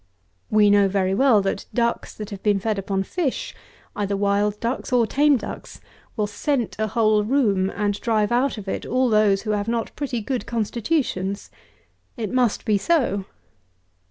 We know very well that ducks that have been fed upon fish, either wild ducks, or tame ducks, will scent a whole room, and drive out of it all those who have not pretty good constitutions. It must be so.